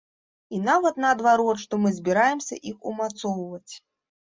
І нават наадварот, што мы збіраемся іх умацоўваць.